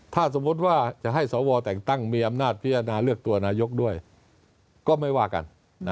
ถ้าสมมุติว่าจะให้สวแต่งตั้งมีอำนาจพิจารณาเลือกตัวนายกด้วยก็ไม่ว่ากัน